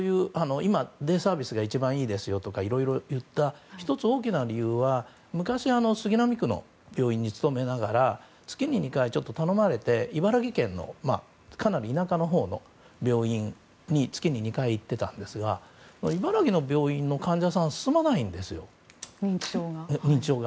今、デイサービスが一番いいですよとか言った１つ、大きな理由は昔、杉並区の大きな病院に勤めながら月に２回頼まれて茨城県のかなり田舎のほうの病院に月に２回、行っていたんですが茨城の病院の患者さん進まないんですよ、認知症が。